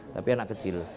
tapi anak kecil